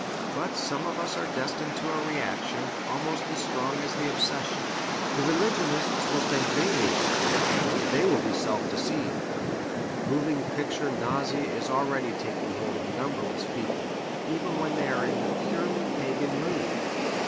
But some of us are destined to a reaction, almost as strong as the obsession. The religionists will think they lead it. They will be self deceived. Moving picture nausea is already taking hold of numberless people, even when they are in the purely pagan mood.